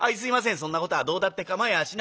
「そんなことはどうだって構いやしない。